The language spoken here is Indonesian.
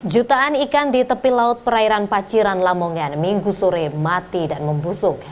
jutaan ikan di tepi laut perairan paciran lamongan minggu sore mati dan membusuk